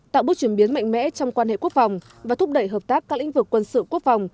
tạo bước chuyển biến mạnh mẽ trong quan hệ quốc phòng và thúc đẩy hợp tác các lĩnh vực quân sự quốc phòng